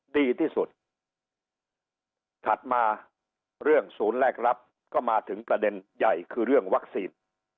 ดีที่สุดถัดมาเรื่องศูนย์แลกรับก็มาถึงประเด็นใหญ่คือเรื่องวัคซีน